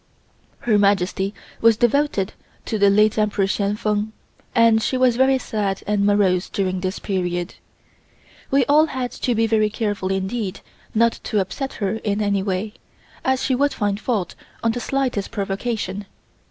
Her Majesty was devoted to the late Emperor Hsien Feng, and she was very sad and morose during this period. We all had to be very careful indeed not to upset her in any way, as she would find fault on the slightest provocation.